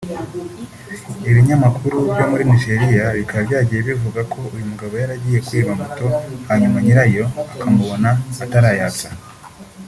Ibinyamakuru byo muri Nigeria bikaba byagiye bivuga ko uyu mugabo yaragiye kwiba moto hanyuma nyirayo akamubona atarayatsa